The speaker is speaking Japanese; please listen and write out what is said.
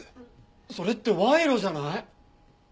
それって賄賂じゃない？